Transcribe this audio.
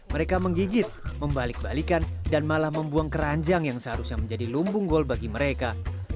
mereka menggigit membalik balikan dan malah membuang keranjang yang seharusnya menjadi lumbung gol bagi mereka